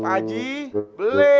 pak ji beli